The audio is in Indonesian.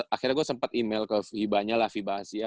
akhirnya gua sempet email ke vibanya lah vibasia